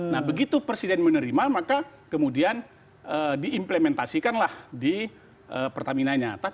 nah begitu presiden menerima maka kemudian diimplementasikanlah di pertaminanya